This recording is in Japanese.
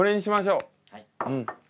うん。